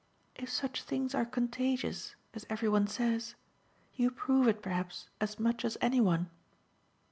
"If such things are contagious, as every one says, you prove it perhaps as much as any one.